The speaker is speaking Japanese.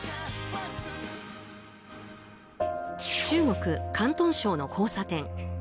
中国・広東省の交差点。